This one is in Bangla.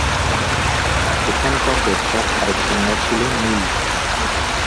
এখানকার ব্যবসার আরেক পণ্য ছিল নীল।